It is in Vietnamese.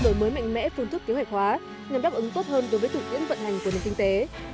đổi mới mạnh mẽ phương thức kế hoạch hóa nhằm đáp ứng tốt hơn đối với thực tiễn vận hành của nền kinh tế